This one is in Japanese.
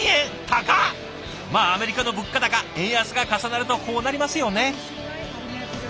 まあアメリカの物価高円安が重なるとこうなりますよね。